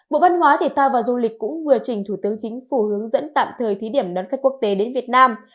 bộ văn hóa thể thao và du lịch cũng vừa trình thủ tướng chính phủ hướng dẫn tạm thời thí điểm đón khách quốc tế đến việt nam